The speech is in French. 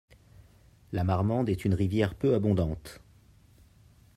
La Marmande est une rivière peu abondante.